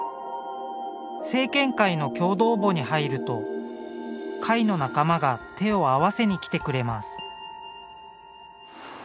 生健会の共同墓に入ると会の仲間が手を合わせに来てくれます。